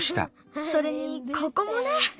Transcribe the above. それにここもね。